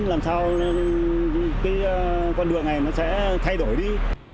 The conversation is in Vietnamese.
làm sao cái con đường này nó sẽ thay đổi đi